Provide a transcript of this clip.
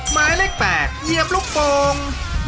หมายเลข๘เหยียบลูกโป่ง